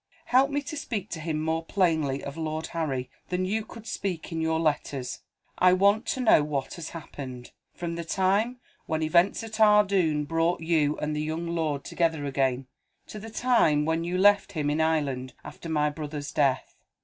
Help me to speak to him more plainly of Lord Harry than you could speak in your letters. I want to know what has happened, from the time when events at Ardoon brought you and the young lord together again, to the time when you left him in Ireland after my brother's death.